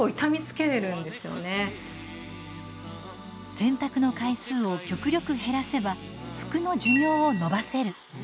洗濯の回数を極力減らせば服の寿命を延ばせる。